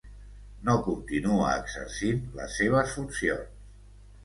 No continua exercint les seves funcions.